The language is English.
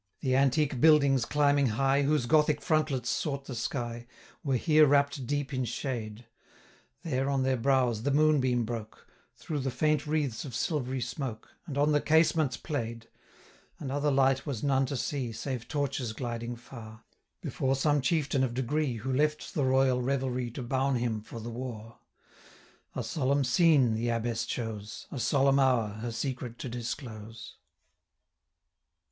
The antique buildings, climbing high, Whose Gothic frontlets sought the sky, 560 Were here wrapt deep in shade; There on their brows the moon beam broke, Through the faint wreaths of silvery smoke, And on the casements play'd. And other light was none to see, 565 Save torches gliding far, Before some chieftain of degree, Who left the royal revelry To bowne him for the war. A solemn scene the Abbess chose; 570 A solemn hour, her secret to disclose.